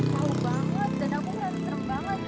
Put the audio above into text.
lalu banget dan aku merasa serem banget